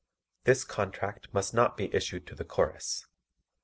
2 THIS CONTRACT MUST NOT BE ISSUED TO THE CHORUS.